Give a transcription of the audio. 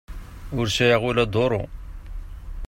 Ur sɛiɣ ula duru.